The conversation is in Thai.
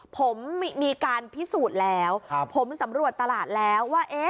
ผมมีการพิสูจน์แล้วผมสำรวจตลาดแล้วว่า